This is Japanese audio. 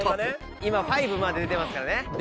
今『Ⅴ』まで出てますから。